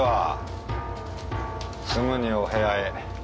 すぐにお部屋へ。